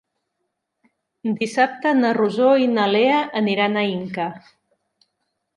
Dissabte na Rosó i na Lea aniran a Inca.